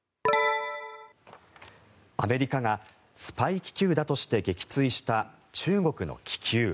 アメリカがスパイ気球だとして撃墜した中国の気球。